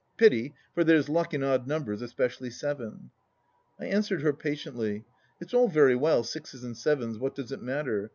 Pity, for there's luck in odd numbers, especially seven !" I answered her patiently. " It's all very well — sixes and sevens — what does it matter